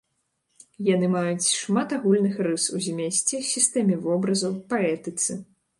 Яны маюць шмат агульных рыс у змесце, сістэме вобразаў, паэтыцы.